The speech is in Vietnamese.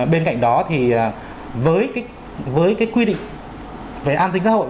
bên cạnh đó thì với cái quy định về an sinh xã hội